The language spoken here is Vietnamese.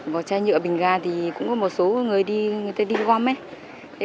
bỏ chai nhựa bình ra thì cũng có một số người đi người ta đi gom ấy